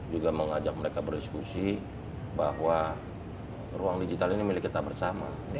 juga mengajak mereka berdiskusi bahwa ruang digital ini milik kita bersama